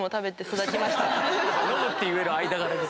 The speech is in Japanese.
・ノブって言える間柄です。